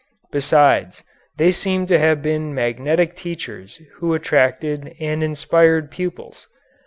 Besides, they seem to have been magnetic teachers who attracted and inspired pupils.